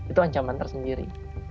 itu ancaman tersendiri